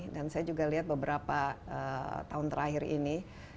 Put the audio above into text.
dan saya juga lihat beberapa tahun terakhir ini